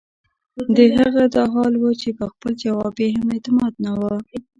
د هغه دا حال وۀ چې پۀ خپل جواب ئې هم اعتماد نۀ وۀ